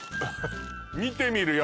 見てみるよ